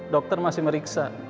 dokter masih meriksa